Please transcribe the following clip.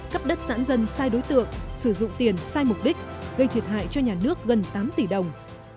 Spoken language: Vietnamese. cấp đất giãn dân sai đối tượng sử dụng tiền sai mục đích gây thiệt hại cho nhà nước gần tám tỷ đồng